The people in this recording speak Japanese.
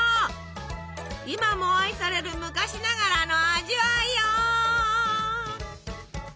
今も愛される昔ながらの味わいよ！